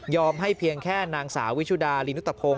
ยอมให้เพียงแค่นางสาวิชุดาลีนุตาโพง